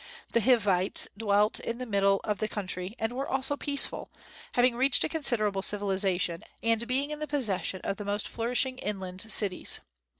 The Hivites dwelt in the middle of the country, and were also peaceful, having reached a considerable civilization, and being in the possession of the most flourishing inland cities.